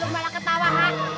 gimana ketawa hah